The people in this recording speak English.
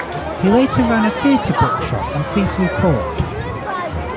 He later ran a theatre bookshop in Cecil Court.